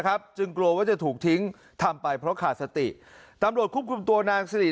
จึงกลัวว่าจะถูกทิ้งทำไปเพราะขาดสติตำรวจควบคุมตัวนางสิริ